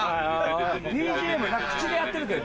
ＢＧＭ何か口でやってるけど。